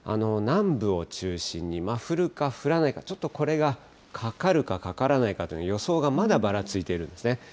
南部を中心に、降るか、降らないか、ちょっとこれがかかるかかからないかというのは予想がまだばらついているんですね。